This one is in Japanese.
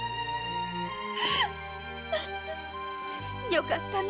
よかったね